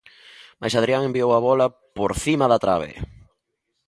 Mais Adrián enviou a bola por cima da trabe.